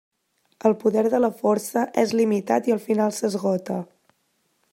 El poder de la Força és limitat i al final s'esgota.